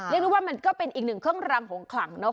เรนรู้ว่ามันก็เป็นอีกหนึ่งเครื่องรังของขังนะค่ะ